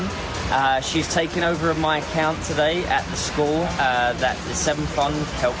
dia mengambil alih akun saya hari ini di sekolah yang diberi bantuan dari smp